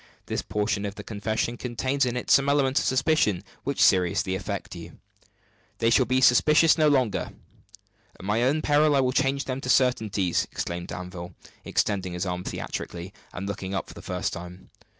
This portion of the confession contains in it some elements of suspicion which seriously affect you " "They shall be suspicions no longer at my own peril I will change them to certainties!" exclaimed Danville, extending his arm theatrically, and looking up for the first time.